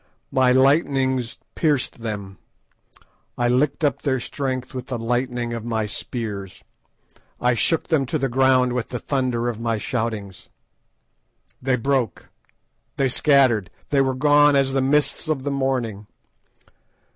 "My lightnings pierced them; I licked up their strength with the lightning of my spears; I shook them to the ground with the thunder of my shoutings. "They broke—they scattered—they were gone as the mists of the morning.